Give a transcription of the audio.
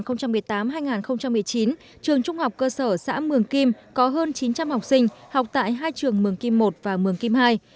năm học hai nghìn một mươi tám hai nghìn một mươi chín trường trung học cơ sở xã mường kim có hơn chín trăm linh học sinh học tại hai trường mường kim i và mường kim ii